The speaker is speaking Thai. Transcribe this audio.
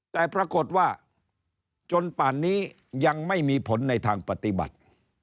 แต่ปรากฏว่าจนป่านนี้ยังไม่มีผลในทางปฏิบัติ